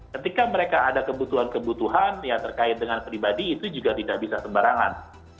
ketika mereka ada kebutuhan kebutuhan yang terkait dengan pribadi itu juga tidak bisa sembarangan